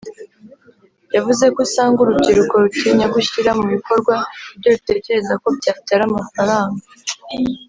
yavuze ko usanga urubyiruko rutinya gushyira mu bikorwa ibyo rutekereza ko byabyara amafaranga